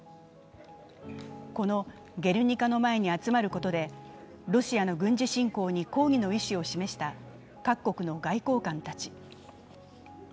この「ゲルニカ」の前に集まることで、ロシアの軍事侵攻に抗議の意思を示した各国の外交官たち。